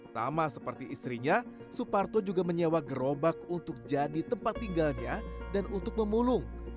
sama seperti istrinya suparto juga menyewa gerobak untuk jadi tempat tinggalnya dan untuk memulung